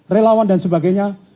relawan dan sebagainya